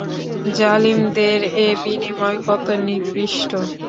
জালিমদের এ বিনিময় কত নিকৃষ্ট।